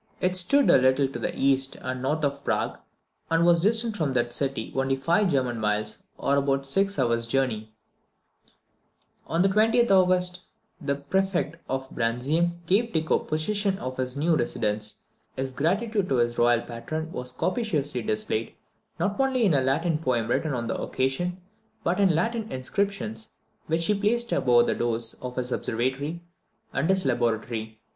It stood a little to the east and north of Prague, and was distant from that city only five German miles, or about six hours' journey. On the 20th of August, the Prefect of Brandisium gave Tycho possession of his new residence. His gratitude to his royal patron was copiously displayed, not only in a Latin poem written on the occasion, but in Latin inscriptions which he placed above the doors of his observatory and his laboratory.